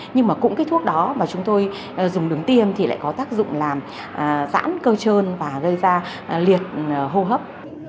nhưng mà cũng cái thuốc đó mà chúng tôi dùng đứng tiêm thì lại có tác dụng làm giãn cơ trơn và gây ra liệt hô hấp